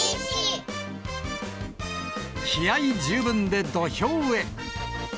気合い十分で土俵へ。